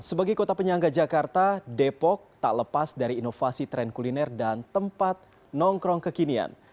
sebagai kota penyangga jakarta depok tak lepas dari inovasi tren kuliner dan tempat nongkrong kekinian